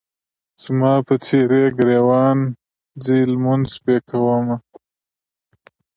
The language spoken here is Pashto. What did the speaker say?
زما په څېرې ګریوان ځي لمونځ پې کومه.